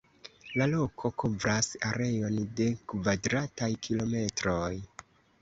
La loko kovras areon de kvadrataj kilometroj.